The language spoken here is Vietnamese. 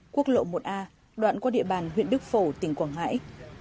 quốc lộ một a đoạn qua địa bàn huyện đức phổ tỉnh quảng ngãi